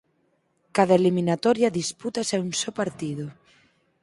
Cada eliminatoria dispútase a un só partido.